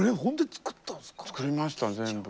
作りました全部。